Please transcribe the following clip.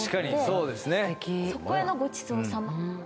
素敵そこへの「ごちそうさま」